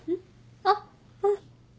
あっうん。